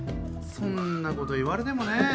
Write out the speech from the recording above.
そんなこと言われてもね